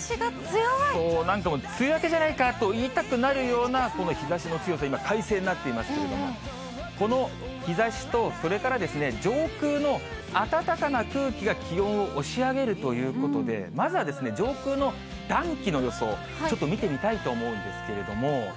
そう、なんかもう、梅雨明けじゃないかと言いたくなるようなこの日ざしの強さ、今快晴になっていますけれども、この日ざしと、それから上空の暖かな空気が気温を押し上げるということで、まずは上空の暖気の予想、ちょっと見てみたいと思うんですけれども。